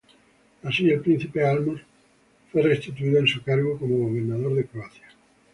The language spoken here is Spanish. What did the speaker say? Así, el príncipe Álmos fue restituido en su cargo como gobernador de Croacia.